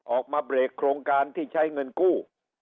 ออกมาเบรกโครงการที่ใช้เงินกู้